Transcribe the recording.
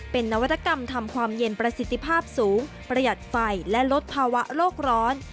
เป็นนวัตกรรมทำความเย็นประสิทธิภาพสูงประหยัดไฟและลดภาวะโลกร้อน